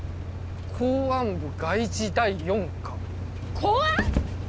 公安部外事第４課公安！？